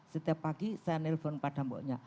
setiap pagi saya nelfon pada mboknya